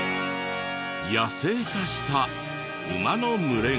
野生化した馬の群れが。